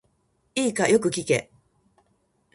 いいか、よく聞け。